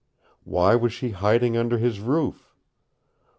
Why was she hiding under his roof?